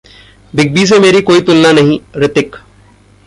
big B से मेरी कोई तुलना नहीं: रितिक